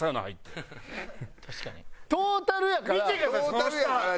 トータルやから。